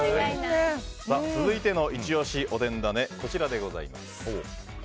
続いてのイチ押しおでんだねはこちらでございます。